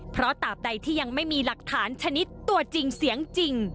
เพราะตามใดที่ยังไม่มีหลักฐานชนิดตัวจริงเสียงจริง